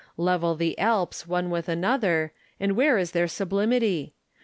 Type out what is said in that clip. Level the Alps one with another, and where is their sublimity?